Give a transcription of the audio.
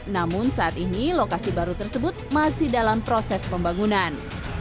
namun saat ini lokasi baru tersebut masih dalam proses pembangunan